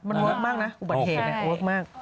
มันเวิร์คมากนะอุบัติเหตุเวิร์คมาก